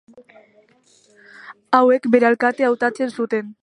Hauek bere alkate hautatzen zuten.